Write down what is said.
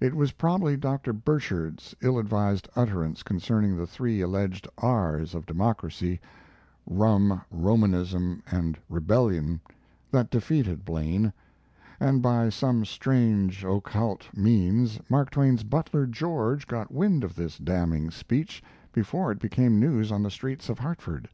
It was probably Dr. Burchard's ill advised utterance concerning the three alleged R's of Democracy, "Rum, Romanism, and Rebellion," that defeated Blaine, and by some strange, occult means Mark Twain's butler George got wind of this damning speech before it became news on the streets of Hartford.